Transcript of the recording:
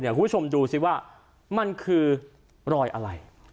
เดี๋ยวคุณผู้ชมดูซิว่ามันคือลอยอะไร